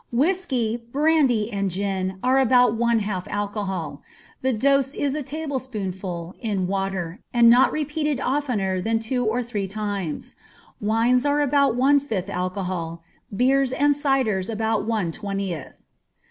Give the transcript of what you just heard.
Whiskey, brandy, and gin are about one half alcohol. The dose is a tablespoonful, in water, and not repeated oftener than two or three times. Wines are about one fifth alcohol, beers and cider about one twentieth.